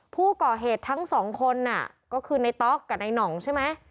ผู้ก่อเหตุทั้งสองคนก็คือในต๊อกกับนายหน่องใช่ไหม